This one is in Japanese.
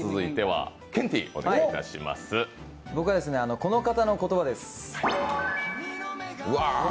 僕はこの方の言葉です。